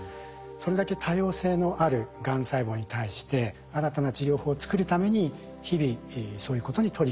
それだけ多様性のあるがん細胞に対して新たな治療法を作るために日々そういうことに取り組む。